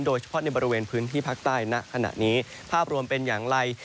โดยเฉพาะในบริเวณพื้นที่ภาคใต้ณขณะนี้ภาพรวมเป็นอย่างไร